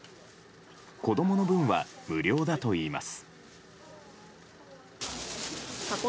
子供の分は無料だといいます。